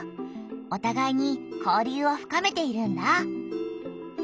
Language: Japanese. おたがいに交流を深めているんだ。